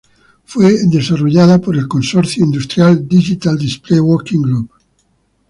Fue desarrollada por el consorcio industrial "Digital Display Working Group".